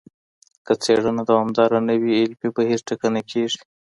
که څېړنه دوامداره نه وي علمي بهیر ټکنی کیږي.